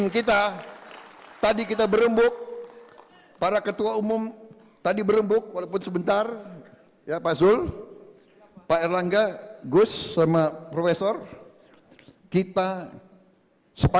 kekuluran dan ppb